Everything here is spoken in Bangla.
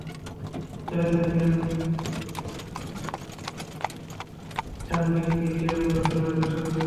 খেলেছেন Glenn McGrath, Shane Warne, Ricky Ponting, Adam গিলক্রিস্টদের মতো খেলোয়াড়দের সঙ্গে।